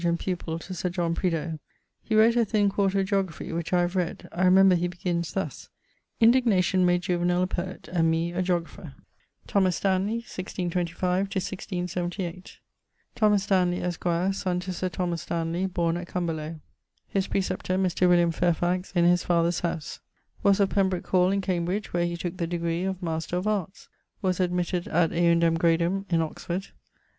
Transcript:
and pupill to Dr. John Prideaulx. He wrote a thin 4to Geographie, which I have read. I remember he begins thus: 'Indignation made Juvenal a poet and me a geographer.' =Thomas Stanley= (1625 1678). Thomas Stanley, esqr., son to Sir Thomas Stanley, born at Cumberlow.... His praeceptor, Mr. William Fairfax, in his father's howse. Was of Pembrooke hall in Cambridge, where he took the degree of Master of Arts. Was admitted ad eundem gradum in Oxford.